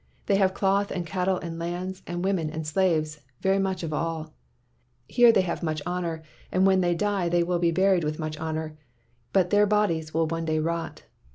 They have cloth and cattle and lands and women and slaves — very much of all. Here they have much honor, and when they die they will be buried with much honor, but yet their bodies will one day rot.